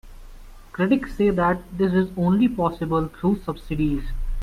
Critics say that this is only possible through subsidies.